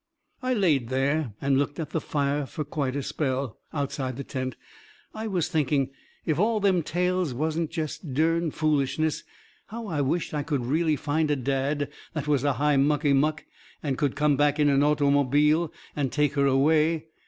I laid there and looked at the fire fur quite a spell, outside the tent. I was thinking, if all them tales wasn't jest dern foolishness, how I wisht I would really find a dad that was a high muckymuck and could come back in an automobile and take her away.